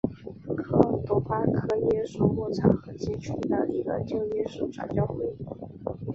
科尔多巴耶稣会牧场和街区的一个旧耶稣会传教区。